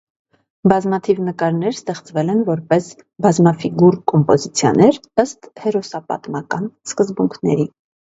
Բազմաթիվ նկարներ ստեղծվել են որպես բազմաֆիգուր կոմպոզիցիաներ, ըստ հերոսապատմական սկզբունքների։